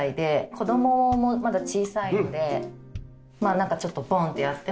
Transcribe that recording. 子供もまだ小さいのでまあなんかちょっとボンってやっても。